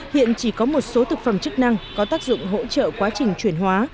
hiện chỉ có một số thực phẩm chức năng có tác dụng hỗ trợ quá trình chuyển hóa